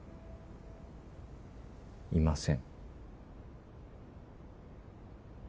いません。